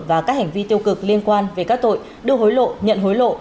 và các hành vi tiêu cực liên quan về các tội đưa hối lộ nhận hối lộ